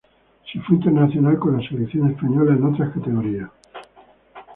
Sí fue internacional con la Selección Española en otras categorías.